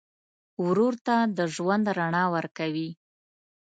ورور ته د ژوند رڼا ورکوې.